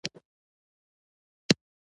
له همدې خوا پرې ورځو.